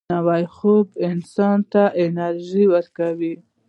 نوی خوب انسان ته انرژي ورکوي